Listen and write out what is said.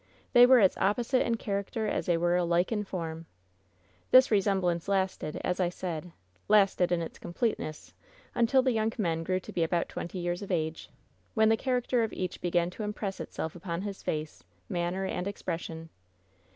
They were as opposite in character as they were alike in form. This resemblance lasted, as I said — lasted in its completeness — until the young men grew to be about twenty years of age, when the charac ter of each began to impress itself upon his face, man ner and expression.